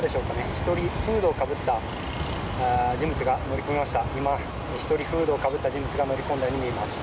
１人、フードをかぶった人物が乗り込みました。